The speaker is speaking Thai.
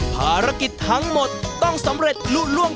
ภารกิจทั้งหมดต้องสำเร็จลุ่นล่วง